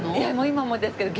今もですけど。